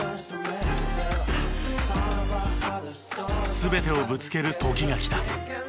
全てをぶつける時が来た。